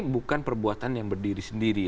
bukan perbuatan yang berdiri sendiri